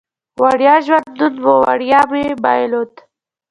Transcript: وړیا ژوندون و، وړیا مې بایلود